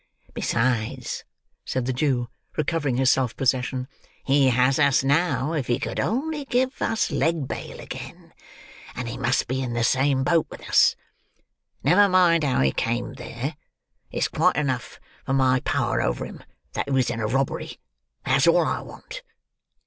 Besides," said the Jew, recovering his self possession, "he has us now if he could only give us leg bail again; and he must be in the same boat with us. Never mind how he came there; it's quite enough for my power over him that he was in a robbery; that's all I want.